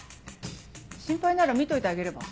心配なら見といてあげれば？